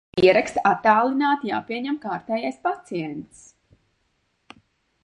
Šobrīd viņam pēc pieraksta attālināti jāpieņem kārtējais pacients...